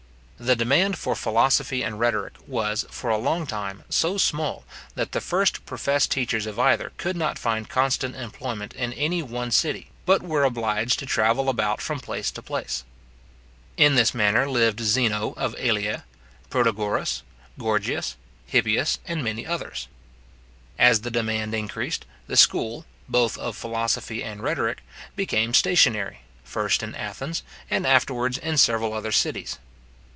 The demand for philosophy and rhetoric was, for a long time, so small, that the first professed teachers of either could not find constant employment in any one city, but were obliged to travel about from place to place. In this manner lived Zeno of Elea, Protagoras, Gorgias, Hippias, and many others. As the demand increased, the school, both of philosophy and rhetoric, became stationary, first in Athens, and afterwards in several other cities.